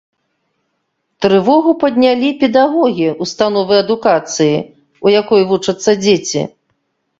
Трывогу паднялі педагогі ўстановы адукацыі, у якой вучацца дзеці.